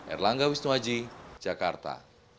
erlangga wisnuaji jakarta